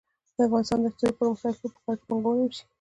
د افغانستان د اقتصادي پرمختګ لپاره پکار ده چې پانګونه وشي.